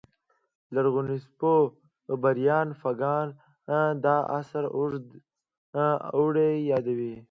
لرغونپوه بریان فاګان دا عصر اوږد اوړی یادوي